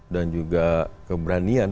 dan juga keberanian